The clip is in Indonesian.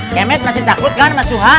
kemet masih takut kan mas suha